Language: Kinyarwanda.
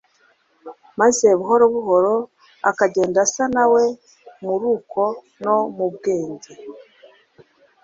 maze buhoro buhoro akagenda asa na we mu ruko no mu bwenge.